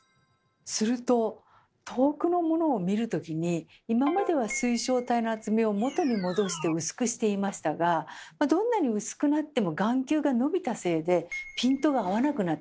すると遠くのものを見るときに今までは水晶体の厚みを元に戻してうすくしていましたがどんなにうすくなっても眼球がのびたせいでピントが合わなくなってしまいます。